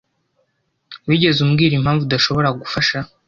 Wigeze ubwira impamvu udashobora gufasha?